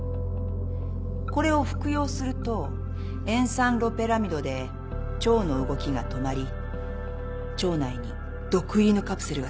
これを服用すると塩酸ロペラミドで腸の動きが止まり腸内に毒入りのカプセルが設置される。